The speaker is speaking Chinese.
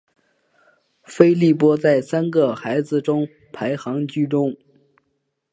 菲利波在三个孩子中排行居中。